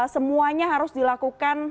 semuanya harus dilakukan